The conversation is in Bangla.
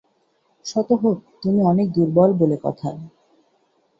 শত হোক, তুমি অনেক দুর্বল বলে কথা।